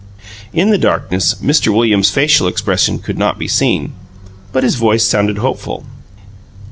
In the darkness Mr. Williams' facial expression could not be seen, but his voice sounded hopeful.